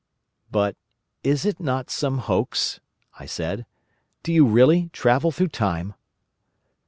"But is it not some hoax?" I said. "Do you really travel through time?"